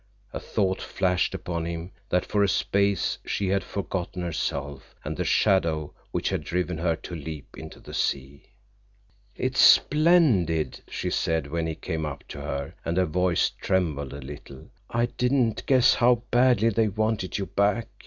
A thought flashed upon him that for a space she had forgotten herself and the shadow which had driven her to leap into the sea. "It is splendid!" she said when he came up to her, and her voice trembled a little. "I didn't guess how badly they wanted you back.